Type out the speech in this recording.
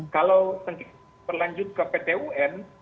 kalau berlanjut ke pt un